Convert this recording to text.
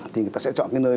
thì người ta sẽ chọn nơi